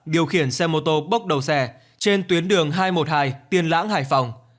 điều khiển xe mô tô bốc đầu xe trên tuyến đường hai trăm một mươi hai tiên lãng hải phòng